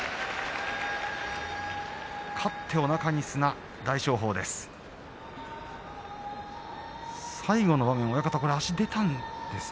勝っておなかに砂、大翔鵬です。